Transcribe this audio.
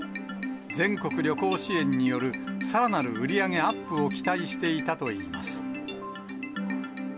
全国旅行支援によるさらなる売り上げアップを期待していたといいます。